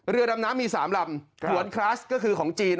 เรือดำน้ำมี๓ลำหวนคลาสก็คือของจีน